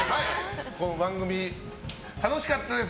番組、楽しかったです。